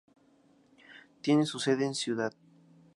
Tiene su sede en Cd.